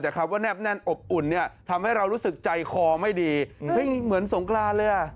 แต่คำว่าแนบแน่นอบอุ่นเนี่ยทำให้เรารู้สึกใจคอไม่ดีเหมือนสงกรานเลยอ่ะ